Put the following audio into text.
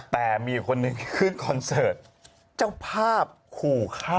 แต่มีอยู่คนหนึ่งขึ้นคอนเสิร์ตเจ้าภาพขู่ฆ่า